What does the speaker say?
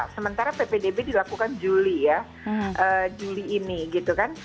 sementara ppdb dilakukan juli ini